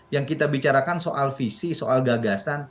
yang kita bicarakan soal visi soal gagasan